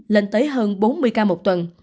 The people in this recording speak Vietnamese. lên tới hơn bốn mươi ca một tuần